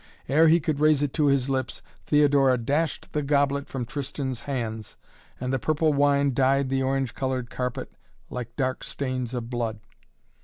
Ere he could raise it to his lips, Theodora dashed the goblet from Tristan's hands and the purple wine dyed the orange colored carpet like dark stains of blood.